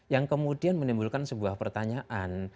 yang kemudian menimbulkan sebuah pertanyaan